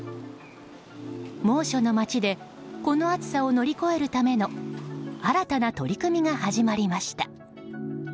猛暑の街でこの暑さを乗り越えるための新たな取り組みが始まりました。